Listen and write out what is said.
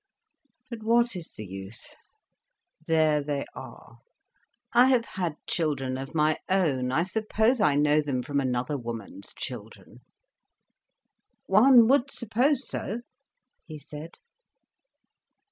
But what is the use? There they are. I have had children of my own. I suppose I know them from another woman's children." "One would suppose so," he said.